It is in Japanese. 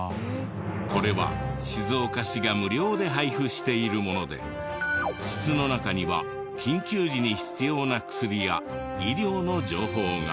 これは静岡市が無料で配布しているもので筒の中には緊急時に必要な薬や医療の情報が。